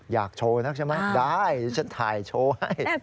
อยากโชว์นักใช่ไหมได้ฉันถ่ายโชว์ให้